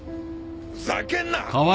ふざけるな！